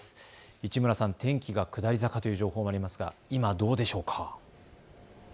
市村さん、天気が下り坂という情報もありますが今どうでしょうか。